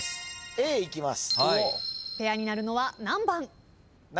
Ｂいきます。